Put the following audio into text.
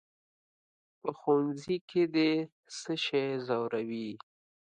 "په ښوونځي کې دې څه شی ځوروي؟"